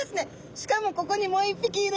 しかもここにもう一匹いる。